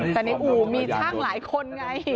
แต่ในอู่มีช่างหลายคนไง